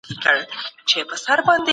سوله د هر انسان طبیعي غوښتنه ده.